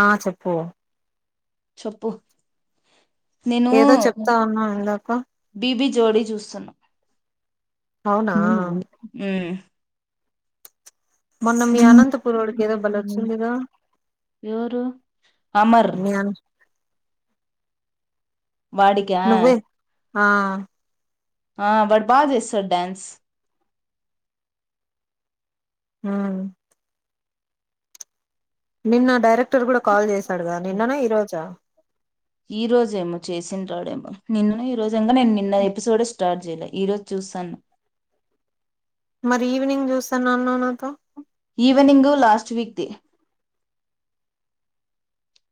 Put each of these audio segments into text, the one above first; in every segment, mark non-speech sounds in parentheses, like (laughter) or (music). ఆ చెప్పు చెప్పు నేను ఏదో చెప్తా ఉన్నావు ఇందాక బిబి జోడీ చూస్తున్నా అవునా ఉమ్ మొన్న మీ అనంతపూరోడికి ఏదో బలే వచ్చిందిగా ఎవరు అమర్ మీ అన్ వాడికా నువ్వే ఆ ఆ వాడు బా చేస్తాడు డ్యాన్స్ ఉమ్ నిన్నో డైరెక్టర్ కూడా కాల్ చేసాడుగా నిన్ననా ఈ రోజా ఈ రోజేమో చేసింటాడేమో నిన్ననో ఈ రోజు ఇంకా నేను నిన్న ఎపిసోడ్స్ స్టార్ట్ చేయలే ఈరోజు చూసాన్న మరి ఈవినింగ్ చూస్తానన్నావు నాతో evening last week the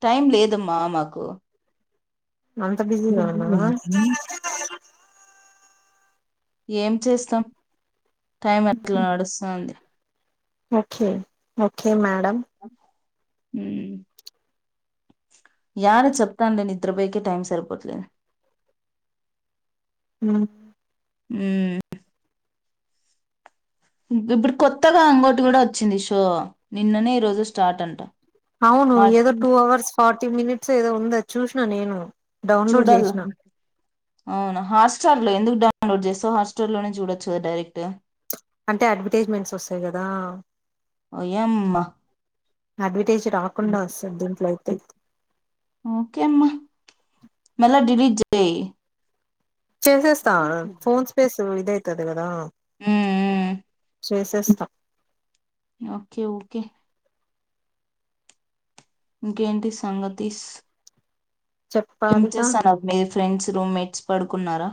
time లేదమ్మా మాకు అంతా బిజీనా నా ఏం చేస్తాం టైం అట్లా నడుస్తాంది ఓకే ఓకే మేడం ఉమ్ యాడ చెప్తండే నిద్రపోయేకే టైం సరిపోట్లేదు ఉ ఉమ్ ఇప్పుడు కొత్తగా ఇంగోటి కూడా వచ్చింది షో నిన్ననే ఈ రోజు స్టార్ట్ అంట అవును మా ఏదో టూ అవర్స్ ఫార్టీ మినిట్స్ ఏదో ఉంది అది చూసినా నేను డౌన్లోడ్ చేసిన అవునా హాట్స్టార్ లో ఎందుకు డౌన్లోడ్ చేస్తావు హాట్స్టార్ లోనే చూడొచ్చు కదా డైరెక్ట్ అంటే అడ్వర్టైజ్మెంట్స్ వస్తాయి కదా వియామ్మ అడ్వటైజ్ రాకుండా వస్తాది దీంట్లో అయితే మల్ల డిలీట్ చేయి చేసేస్తా ఫోన్ స్పేస్ ఇదయితది కదా ఉమ్ చేసేస్తా ఉమ్ ఓకే ఓకే ఇంకేంటి సంగతీస్ ఏం చెప్పాలిగా చేస్తానారు మీ ఫ్రెండ్స్ రూమ్మేట్స్ పడుకున్నారా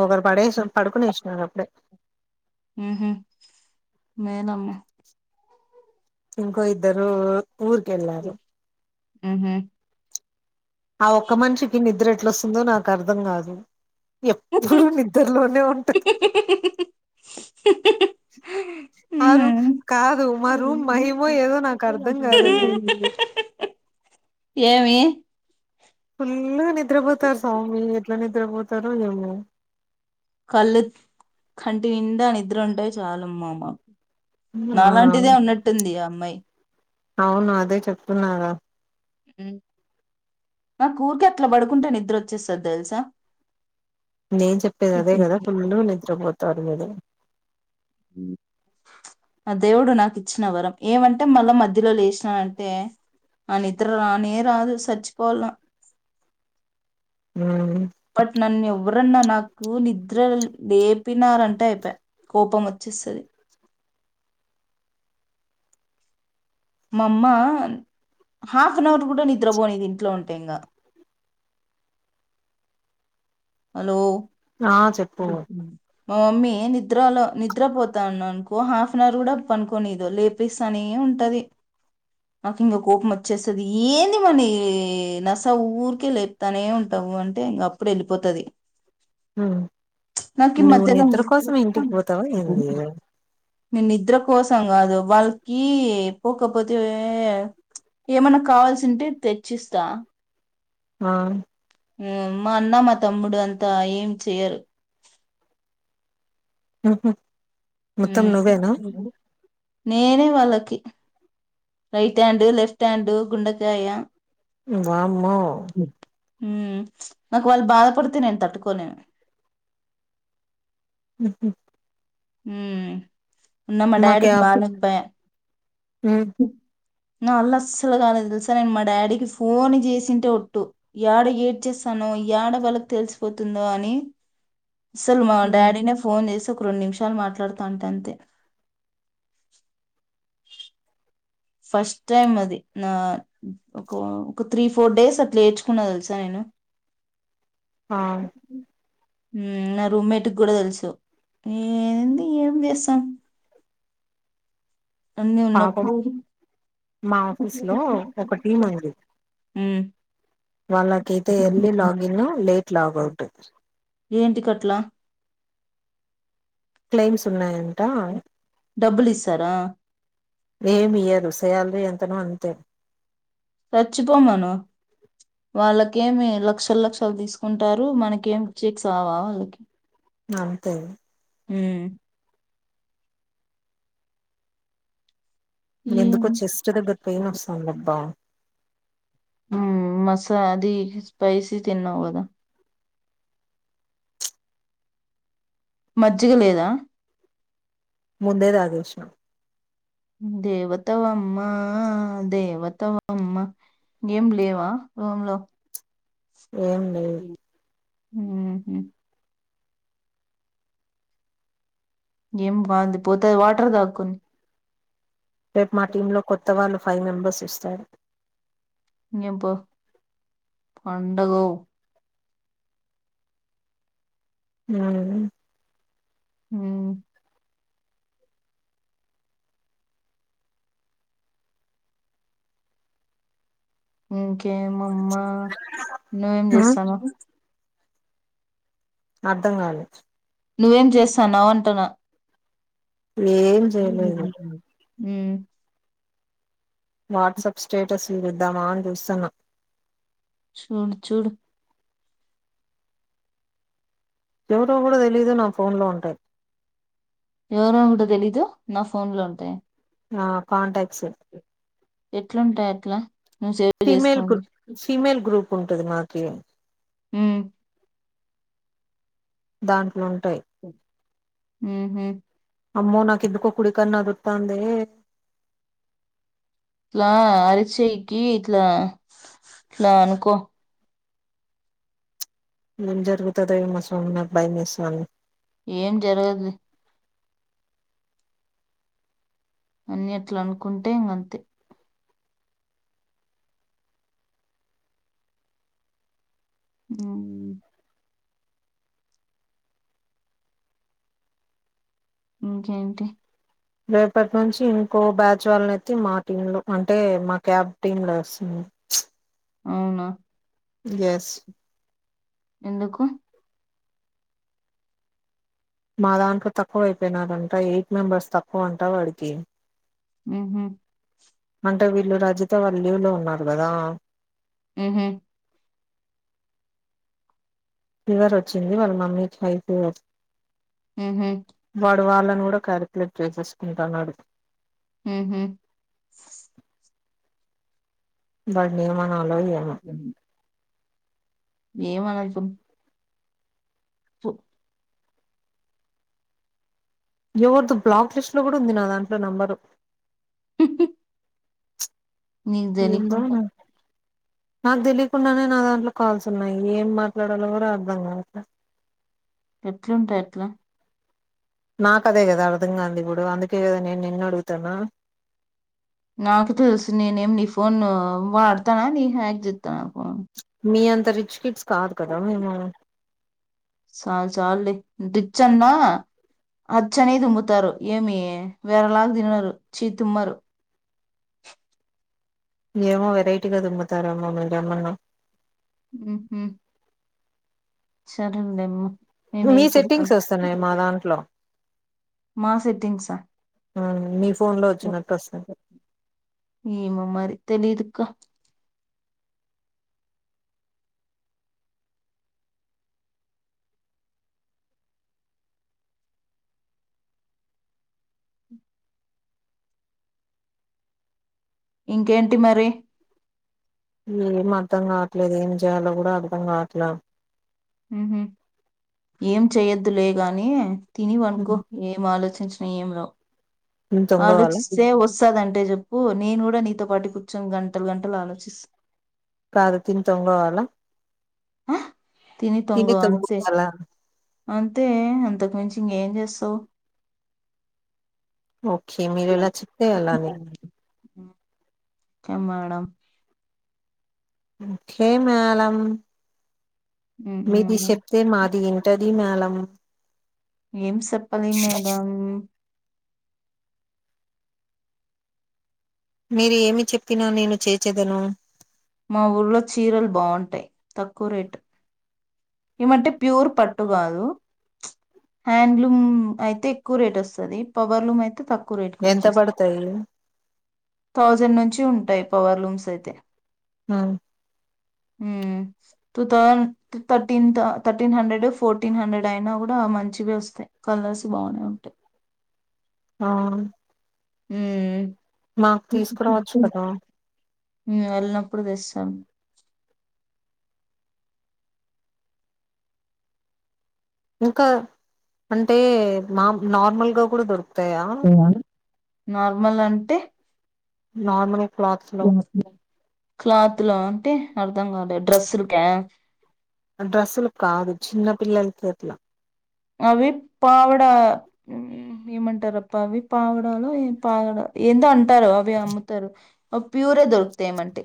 ఒకరు పడేసి పడుకునేసినారు అప్పుడే ఉహు మేలమ్మ ఇంకో ఇద్దరు ఊరు కెళ్లారు ఉహు ఆ ఒక్క మనిషికి నిద్ర ఎట్లొస్తుందో నాకు అర్ధం కాదు ఎప్పుడూ నిద్రలోనే ఉంటది ఆ రూమ్ మ్మ్. కాదు మా రూమ్ మహిమో ఏదో నాకు అర్ధం కాదు అది ఏమి ఫుల్లుగా నిద్రపోతారు స్వామి ఎట్లా నిద్రపోతారో ఏమో కళ్లు కంటి నిండా నిద్ర ఉంటే చాలు అమ్మా మాకు ఆ నాలాంటిదే ఉన్నట్టుంది ఆ అమ్మాయి అవును అదే చెప్తున్నాగా ఉమ్ మాకు ఊరికె అట్లా పడుకుంటే నిద్ద్రొచ్చేస్తాది తెలుసా నేను చెప్పేది అదే కదా ఫుల్లు నిద్రపోతారు మీరు ఉమ్ ఆ దేవుడు నాకు ఇచ్చిన వరం ఏమంటే మళ్లా మధ్యలో లేసినా అంటే ఆ నిద్ర రానే రాదు సచ్చిపోవాల్ల ఉమ్ బట్ నన్ను ఎవరన్నా నాకు నిద్ర లేపినారంటే అయిపయా కోపం వచ్చేస్తది మా అమ్మ హాఫ్ అన్ అవర్ కూడా నిద్రపోనియది ఇంట్లో ఉంటే ఇంకా హలో ఆ చెప్పు మా మమ్మీ నిద్రలో నిద్రపోతాన్నానుకో కో హాఫ్ అన్ అవర్ కూడా పనుకోనియదు లేపేస్తానే ఉంటది నాకు ఇంక కోపం వచ్చేస్తది ఏంది మమ్మీ నస ఊరికే లేపుతానే ఉంటా వు నువ్వు అంటే ఇంగ అప్పుడు వెళ్లిపోతది ఉమ్ నాకి ఈ నువ్వు మధ్యలో (inaudible) నిద్ర కోసం ఇంటికి పోతావా ఏంది నేను నిద్ర కోసం కాదు వాళ్లకి పోకపోతే ఏమన్నా కావాల్సింటే తెచ్చిస్తా అ మ్ మా అన్న మా తమ్ముడు అంతా ఏం చెయ్యరు ఉ హూ మొత్తం ఉమ్, నువ్వేనా నేనే వాళ్లకి రైట్ హ్యాండు లెఫ్ట్ హ్యాండు గుండెకాయ వామ్మో ఉమ్ నాకు వాళ్లు బాధపడితే నేను తట్టుకోలేను మ్ హూ మ్ మొన్న మా డాడికి బాలేకపాయే మ్ నా అల్ల అస్సలుగానే తెలుసా నేను మా డాడీకి ఫోన్ చేసింటే ఒట్టు ఏడ ఏడ్ చేస్తాను తనం ఏడవాళ్ళకి తెలిసిపోతుందో అని అసలు మా ఉమ్ డాడీ నే ఫోన్ చేసి ఒక రెండు నిమిషం చ మాట్లాడుతా అంటే అంతే ఫస్ట్ టైమ్ అది నా ఒక ఒక త్రీ ఫోర్ డేస్ అట్లా ఏడ్చుకున్న తెలుసా నేను ఆ హ్మ్. నా రూమ్మేట్ కి కూడా తెలుసు ఏంది ఏం చేస్తాం అన్నిీ పాపం ఉన్నప్పుడు మా అ ఆఫీస్ లో ఒక టీం ఉంది వాళ్ళకైతే ఎర్లీ లాగిన్ లేట్ లాగౌట్ ఏంటి కట్లా క్లెయిమ్స్ ఉన్నాయంట డబ్బులు ఇస్తారా ఏమి ఇయ్యదు శాలరీ ఎంతనో అంతే సచ్చిపో మన వాళ్ళకేమి లక్షలు లక్షలు తీసుకుంటారు మనకేమి చెక్స్ అవా వాళ్ళకి అంతే హ ఏం ఎందుకో చెస్ట్ దగ్గర పెయిన్ వస్తాందిబ్బా మసా అది స్పైసీ తిన్నావుదా మజ్జిగ లేదా ముందేది ఆగషం దేవతవమ్మా దేవతవమ్మ ఏం లేవా రూమ్ లో ఏం లేదు హ ఏం బంది పోతది వాటర్ దాకుని రేపు మా టీ లో కొత్త వాళ్ళు ఫైవ్ మెంబర్స్ ఇస్తారు ఏం పో పండగ అ హ ఇంకే మా అమ్మ నున్నోేం ఆ చేస్తునావ్ అర్ధం కాలి నువ్వేం చేస్తాన్నావ అంటనా ఏం చెయలేదు హ్మ్ వాట్సాప్ స్టేటస్లు చుద్దామా అని చూస్తున్నా చుడు చుడు ఎవరిదో కూడా తెలీదు నా ఫోన్ లో ఉంటాయి ఎవరో కూడా తెలీదు నా ఫోన్ లో ఉంటయి నా కాంటాక్ట్స్ ఎట్లుంటాయి అట్లా నువ్వు సేవ్ ఫీమేల్ చేసుకోండి గ్రూప్ ఫీమేల్ గ్రూప్ ఉంటది మాకి హ్మ్ దాంట్లో ఉంటాయి హ్ హ్మ్ అమ్మో నాకి ఎందుకో కుడి కన్నా ఆదర్తందే ఇట్లా అరిచెయ్ కి ఇట్లా ఇట్లా అనుకో ఎంజరుగుతదెమో స్వామి నాకు భయం వేస్తాంది ఏం జరగదు లే అన్ని అట్ల అనుకుంటే ఇంగంతే హ్మ్ ఇంకేంటి రేపటి నుంచి ఇంకో బ్యాచ్ వాళ్ళనయితే మా టీమ్ లో అంటే మా క్యాబ్ టీమ్ లో వస్తుంది అవున యస్ ఎందుకు మా దాంట్లో తక్కువ అయిపోయినారంట ఎయిట్ మెంబర్స్ తక్కువ అంట వాడికి ఉహు అంటే వీళ్ళు రజిత వాళ్ళు లీవులో ఉన్నారు కదా ఉహు ఫీవర్ ఒచ్చింది వాళ్ళ మమ్మీకి హై ఫీవర్ ఉహు వాళ్ళను కూడ కాలిక్యులేట్ చేసేసుకుంటన్నాడు ఉహు వడ్ నీ ఎం ఆనాలో ఏమో ఏమి అనాల్ పుమ్ (unintelligible) ఎవరిదో బ్లాక్ లిస్ట్ లో కూడా ఉంది నా దాంట్లో నంబరు నీకు ఏందో తెలికుండా నాకు తెలియకుండానే నా దాంట్లో కాల్స్ ఉన్నాయి ఏం మాట్లాడాలో కూడా అర్థం కావట్ లే (unintelligible) ఎట్లుంటయి ఆట్లా నాకదే కదా అర్థంగా కాంది ఇప్పుడు అందుకే కదా నేను నిన్ను అడుగుతాను నాకు తెలుసు నేనేం నీ ఫోన్ ను వాడతానా నీ హ్యాక్ చెస్తాన ఫోన్ మీ అంత రిచ్చ కిడ్స్ కాదు కదా మేము సాల్ చాల్లే డిచ్చన్నా అచ్చనే దుమ్ముతారు ఏమి వేరేలాగ దినరు చీ తుమ్మరు (unintelligible) ఏమో వెరైటీగా తుంతారెమో మీరు ఏమన్నా ఉ హమ్ సరేంలేమ్మ మీ సెట్టింగ్స్ వస్తున్నాయి మా దాంట్లో మా సెట్టింగ్సా ఆ మీ ఫోన్ లో వచ్చినట్టు వస్తాయ్ ఏమో మరి తెలీదక్క ఇంకేంటి మరి ఏం అర్ధం కావట్లేదు ఏం చేయాలో కూడా అర్ధం కావట్ల ఉ హ్మ్ ఏం చెయ్యొద్దులేగాని తిని పనుకో ఏం ఆలోచి చిన ఏం రావ్ తిని తొంగోవాల ఆలోచిస్తే వ స్తదంటే చెప్పు నేను కూడా నీతో పాటు కూర్చొని గంటలు గంటలు ఆలోచిస్త కాదు తిని తొంగోవాలా ఆ? తిని తొంగ అంతే తొంగోవాల అంతే అంతకు మించి ఇంకె జేస్తవ్ ఓకే మీరు ఎలా చెప్తే అలానే కెం మేడం ఇంకె మేళం ఉమ్, మీది ఉమ్. చెప్తే మాది ఇంటది మేలం ఏం చెప్పాలి మేడం మీరు ఏమి చెప్పినా నేను చేచదను మా ఊర్లో చీరలు బావుంటాయి తక్కువ రేటు ఏమంటే ప్యూర్ పట్టు కాదు హ్యాండ్లూమ్ అయితే ఎక్కువ రేట్ వస్తది పవర్లూమ్ అయితే తక్కువ రేట్కి ఎంత వచ్చేస్తాయి పడతాయి థౌజండ్ నుంచి ఉంటాయి పవర్ లూమ్స్ అయితే ఆ ఉమ్ టూథౌ thirteen thirteen hundred fourteen hundred అయినా కూడా మంచి చివి వస్తాయి కలర్స్ బానే ఉంటాయి ఆ ఉమ్ మాకు తీసుకురావచ్చు కదా ఉమ్ వెళ్ళినప్పుడు తెస్తాను ఇంకా అంటే మా నార్మల్గా కూడా దొరుకుతాయా నార్మల్ అంటే నార్మల్ క్లాత్స్ లో క్లాత్ లో అంటే అర్థం కాలేదు డ్రెస్సులకే డ్రస్సులు కాదు చిన్న పిల్లలకి అట్ల అవి పావడ ఏమంటారప్ప అవి పావడాలో పావడా ఏందో అంట టారు అవి అమ్ముతారు అవ్ ప్యూరే దొరుకుతాయ్ ఏమంటే